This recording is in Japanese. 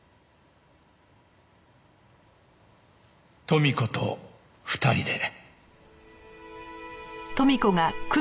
「豊美子と二人で」